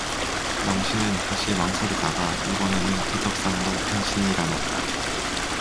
영신은 다시 망설이다가 이번에는 대접상으로 간신히 일어났다.